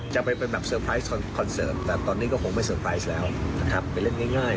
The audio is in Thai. จะเป็นแบบคอนเสิร์ตแต่ตอนนี้ก็คงไม่แล้วนะครับไปเล่นง่ายง่าย